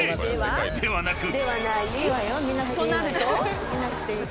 ［ではなく］